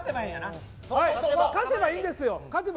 勝てばいいんですよ。